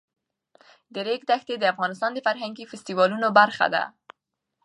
د ریګ دښتې د افغانستان د فرهنګي فستیوالونو برخه ده.